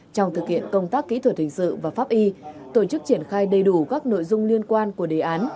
trong thực hiện công tác kỹ thuật hình sự và pháp y tổ chức triển khai đầy đủ các nội dung liên quan của đề án